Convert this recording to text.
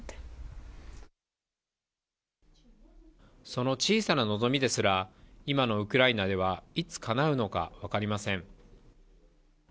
その小さな望みですら、今のウクライナではいつかなうのか、わかりません。